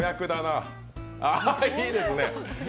あ、いいですね。